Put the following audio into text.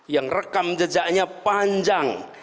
yang rekam jejaknya panjang